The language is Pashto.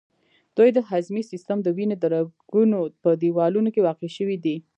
دوی د هضمي سیستم، د وینې د رګونو په دیوالونو کې واقع شوي دي.